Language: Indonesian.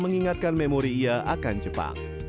mengingatkan memori ia akan jepang